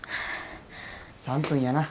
３分やな。